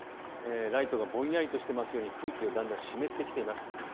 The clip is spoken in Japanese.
ライトがぼんやりとしていますように空気がだんだん湿ってきています。